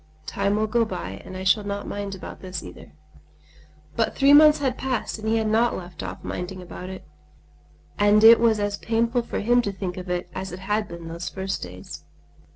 Time will go by and I shall not mind about this either." But three months had passed and he had not left off minding about it; and it was as painful for him to think of it as it had been those first days.